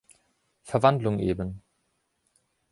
Verwandlung eben.